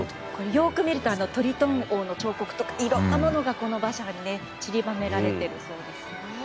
よく見るとトリトン王の彫刻とかいろんなものが、この馬車にちりばめられているそうですよ。